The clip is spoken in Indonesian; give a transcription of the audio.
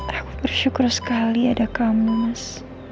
aku bersyukur sekali ada kamu mas